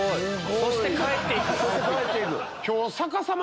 そして帰っていく。